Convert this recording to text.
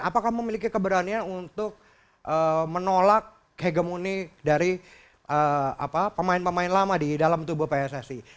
apakah memiliki keberanian untuk menolak hegemoni dari pemain pemain lama di dalam tubuh pssi